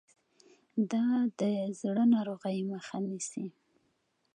دا د زړه ناروغۍ مخه نیسي.